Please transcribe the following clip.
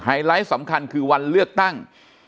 ไลท์สำคัญคือวันเลือกตั้ง